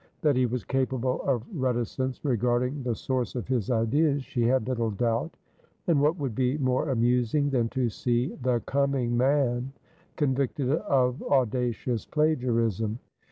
That he was capable of reticence regarding the source of his ideas, she had little doubt; and what would be more amusing than to see "the coming man" convicted of audacious plagiarism?